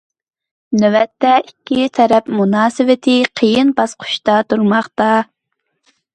نۆۋەتتە، ئىككى تەرەپ مۇناسىۋىتى قىيىن باسقۇچتا تۇرماقتا.